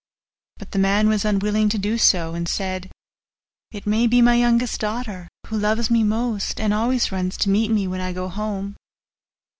But the man was unwilling to do so and said, 'It may be my youngest daughter, who loves me most, and always runs to meet me when I go home.